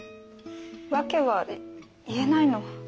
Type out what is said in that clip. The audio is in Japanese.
訳は言えないの。